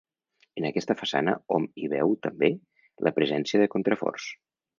En aquesta façana hom hi veu, també, la presència de contraforts.